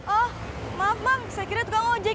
oh maaf bang saya kira tukang ojek